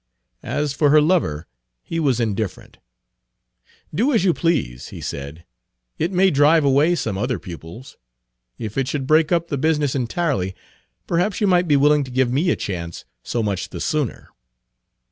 As for her lover, he was indifferent. "Do as you please," he said. " It may Page 37 drive away some other pupils. If it should break up the business entirely, perhaps you might be willing to give me a chance so much the sooner."